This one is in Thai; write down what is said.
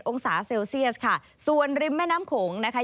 องศาเซลเซียสค่ะส่วนริมแม่น้ำโขงนะคะ